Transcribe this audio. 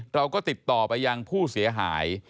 เราก็ติดต่อไปยังผู้เสียหาย